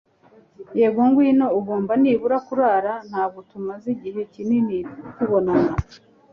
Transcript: Yego ngwino Ugomba nibura kurara Ntabwo tumaze igihe kinini tubona